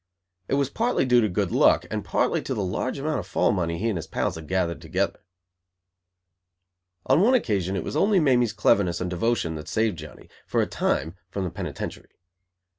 It was partly due to good luck, and partly to the large amount of fall money he and his pals had gathered together. On one occasion it was only Mamie's cleverness and devotion that saved Johnny, for a time, from the penitentiary.